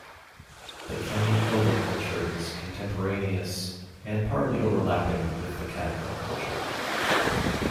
The Kemi Oba culture is contemporaneous and partly overlapping with the Catacomb culture.